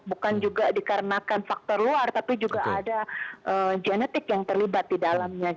bukan juga dikarenakan faktor luar tapi juga ada genetik yang terlibat di dalamnya